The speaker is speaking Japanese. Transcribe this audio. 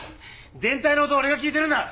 全体の音は俺が聴いてるんだ！